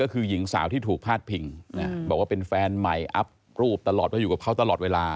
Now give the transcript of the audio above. ก็คือหญิงสาวที่ถูกพาดพิงบอกว่าเป็นแฟนใหม่อัพรูปตลอดว่าอยู่กับเขาตลอดเวลา